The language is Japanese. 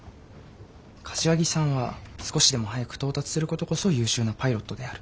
柏木さんは少しでも早く到達することこそ優秀なパイロットである。